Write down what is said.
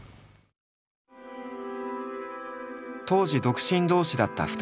当時独身同士だった２人。